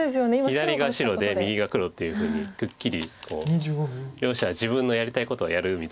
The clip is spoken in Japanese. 左が白で右が黒っていうふうにくっきり両者自分のやりたいことをやるみたいな。